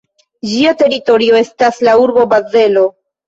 Ĝia teritorio estas la urbo Bazelo.